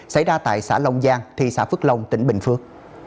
xảy ra tại xã long giang thị xã phước long tỉnh bình phước